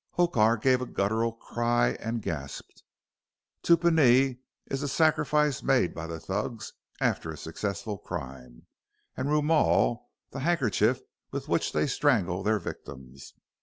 Hokar gave a guttural cry and gasped. Tupounee is the sacrifice made by the Thugs after a successful crime, and roomal the handkerchief with which they strangled their victims.